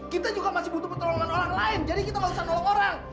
kita juga masih butuh pertolongan orang lain jadi kita nggak usah nolong orang